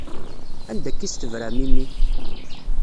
Anda akka i s-tebram i mmi?